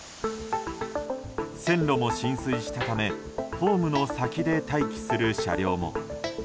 線路も浸水したためホームの先で待機する車両も。